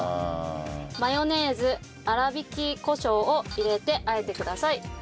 マヨネーズ粗挽きコショウを入れて和えてください。